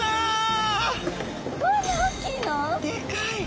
でかい！